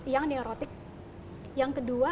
yang neurotic yang kedua